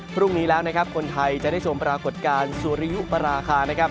พรุ่งนี้แล้วนะครับคนไทยจะได้ชมปรากฏการณ์สุริยุปราคานะครับ